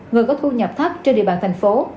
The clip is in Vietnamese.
người có thu nhập thấp trên địa bàn thành phố